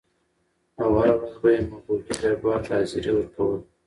او هره ورځ به یې مغولي دربار ته حاضري ورکوله.